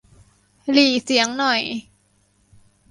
หรี่เสียงหน่อย